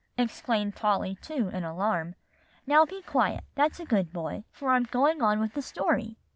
exclaimed Polly too, in alarm; "now be quiet, that's a good boy, for I'm going on with the story.